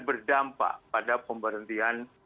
berdampak pada pemberhentian